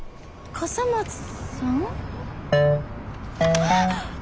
笠松さんや！